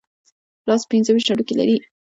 لاس پنځه ویشت هډوکي لري.